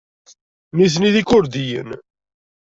Nutni d Ikurdiyen.